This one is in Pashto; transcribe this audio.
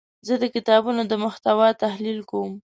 زه د کتابونو د محتوا تحلیل کوم.